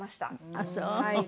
あっそう。